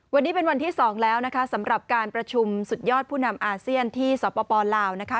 วันนี้เป็นวันที่๒แล้วนะคะสำหรับการประชุมสุดยอดผู้นำอาเซียนที่สปลาวนะคะ